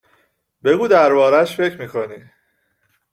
بگو دربارش فکر می کنی-